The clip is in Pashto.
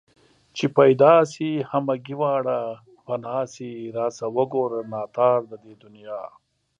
چې پيدا شي همگي واړه پنا شي راشه وگوره ناتار د دې دنيا